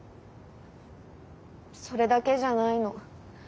それだけじゃないの。